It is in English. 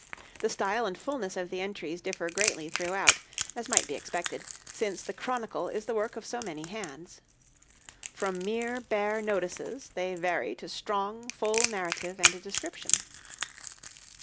The style and fullness of the entries differ greatly throughout, as might be expected, since the 'Chronicle' is the work of so many hands. From mere bare notices they vary to strong, full narrative and description.